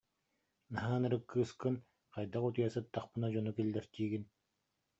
Наһаа ынырык кыыскын, хайдах утуйа сыттахпына дьону киллэртиигин